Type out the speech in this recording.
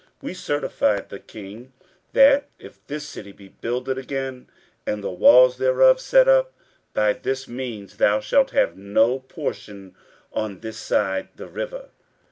15:004:016 We certify the king that, if this city be builded again, and the walls thereof set up, by this means thou shalt have no portion on this side the river.